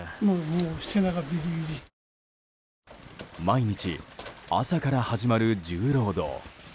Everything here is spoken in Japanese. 毎日、朝から始まる重労働。